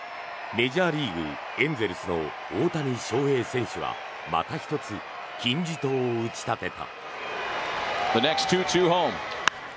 メジャーリーグエンゼルスの大谷翔平選手がまた１つ金字塔を打ち立てた。